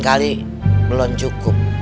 kali belum cukup